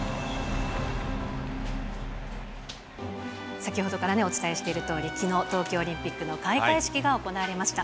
先ほどからね、お伝えしているとおり、きのう、東京オリンピックの開会式が行われました。